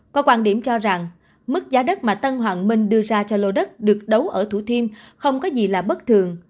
có quan điểm cho rằng mức giá đất mà tân hoàng minh đưa ra cho lô đất được đấu ở thủ thiêm không có gì là bất thường